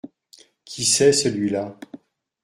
Qui c’est celui-là ?